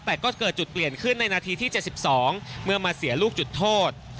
แต่ก็เกิดจุดเปลี่ยนขึ้นในนาทีที่๗๒เมื่อมาเสียลูกจุดโทษ